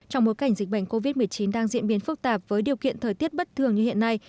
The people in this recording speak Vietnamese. trong bối cảnh dịch bệnh covid một mươi chín đang diễn biến phức tạp với điều kiện thời tiết bất thường như hiện nay